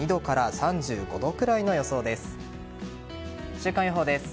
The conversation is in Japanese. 週間予報です。